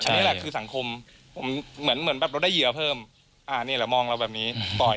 อันนี้แหละคือสังคมผมเหมือนเหมือนแบบเราได้เหยื่อเพิ่มอ่านี่แหละมองเราแบบนี้ปล่อย